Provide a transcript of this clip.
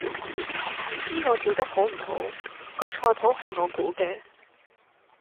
唔知我煮得好唔好，個菜譜係我估嘅